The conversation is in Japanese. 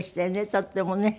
とってもね。